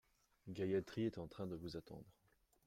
Gayathri est en train de vous attendre ?